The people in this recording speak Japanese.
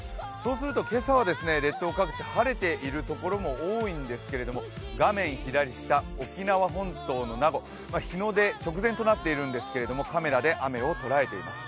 今朝は列島各地晴れている所も多いんですけれども、画面左下、沖縄本島の名護日の出直前となっているんですけども、カメラで雨を捉えています。